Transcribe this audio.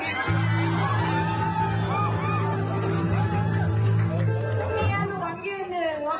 เมียล้วงยืน๑